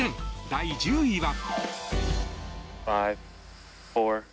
第１０位は。